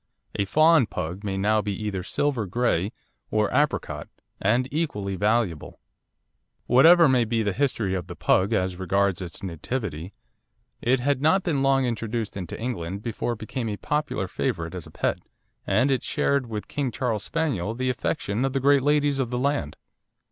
A "fawn" Pug may now be either silver grey or apricot, and equally valuable. Whatever may have been the history of the Pug as regards its nativity, it had not been long introduced into England before it became a popular favourite as a pet, and it shared with the King Charles Spaniel the affection of the great ladies of the land.